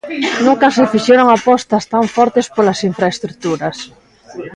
Nunca se fixeron apostas tan fortes polas infraestruturas.